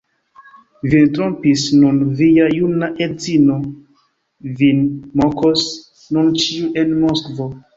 Vin trompis nun via juna edzino, vin mokos nun ĉiu en Moskvo!